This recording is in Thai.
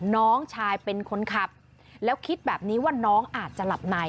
น้องชายเป็นคนขับแล้วคิดแบบนี้ว่าน้องอาจจะหลับใน